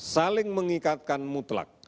saling mengikatkan mutlak